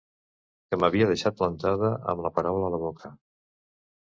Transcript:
Que m'havia deixat plantada, amb la paraula a la boca.